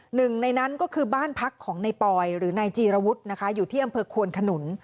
หนึ่งในนั้นก็คือบ้านพักของในปอยหรือนายจีรวุฒินะคะอยู่ที่อำเภอควนขนุน